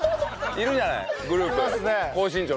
いるじゃないグループで高身長の人。